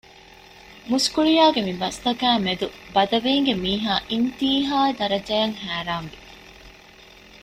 މުސްކުޅިޔާގެ މި ބަސްތަކާއި މެދު ބަދަވީންގެ މީހާ އިންތީހާ ދަރަޖައަށް ހައިރާންވި